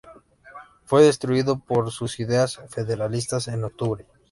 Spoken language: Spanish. Fue destituido por sus ideas federalistas en octubre.